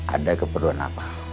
ada keperluan apa